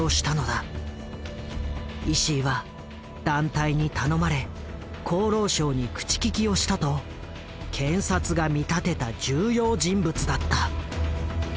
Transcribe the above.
石井は団体に頼まれ厚労省に口利きをしたと検察が見立てた重要人物だった。